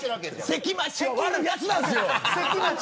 関町は悪いやつなんですよ。